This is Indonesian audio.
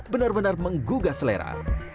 biar menggugah selera